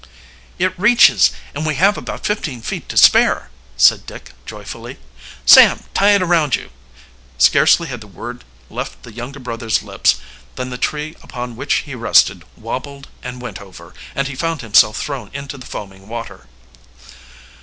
"It reaches, and we have about fifteen feet to spare," said Dick joyfully. "Sam, tie it around you." Scarcely had the word left the younger brother's lips than the tree upon which he rested wobbled and went over, and he found himself thrown into the foaming water.